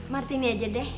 martini aja deh